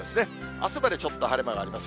あすまでちょっと晴れ間があります。